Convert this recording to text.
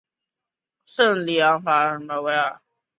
圣昂德雷法里维莱尔。